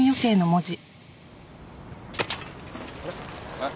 あれ？